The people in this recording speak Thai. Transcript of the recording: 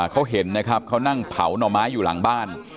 เขาเห็นนะครับเขานั่งเผาหน่อไม้อยู่หลังบ้าน